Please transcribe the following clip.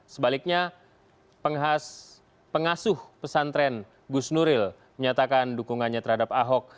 sebaliknya pengasuh pesantren gus nuril menyatakan dukungannya terhadap ahok